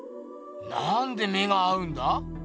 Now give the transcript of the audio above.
なんで目が合うんだ？